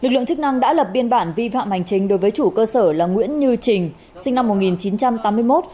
công chức năng đã lập biên bản vi phạm hành trình đối với chủ cơ sở là nguyễn như trình sinh năm một nghìn chín trăm tám mươi một